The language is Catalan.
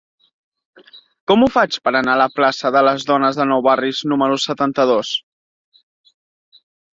Com ho faig per anar a la plaça de Les Dones de Nou Barris número setanta-dos?